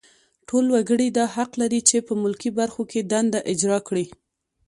ټول وګړي دا حق لري چې په ملکي برخو کې دنده اجرا کړي.